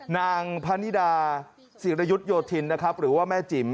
นางพนิดาศิรยุทธโยธินนะครับหรือว่าแม่จิ๋ม